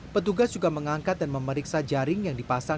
petugas juga mengangkat dan memeriksa jaring yang dipasang